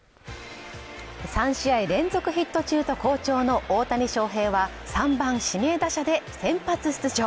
３試合連続ヒット中と好調の大谷翔平は３番指名打者で先発出場。